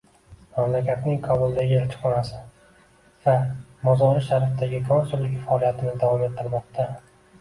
Mamlakatning Kobuldagi elchixonasi va Mozori-Sharifagi konsulligi faoliyatini davom ettirmoqda